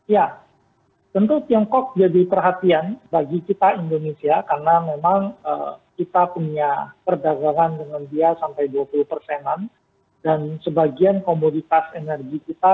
ya tentu tiongkok jadi perhatian bagi kita indonesia karena memang kita punya perdagangan dengan dia sampai dua puluh persenan dan sebagian komoditas energi kita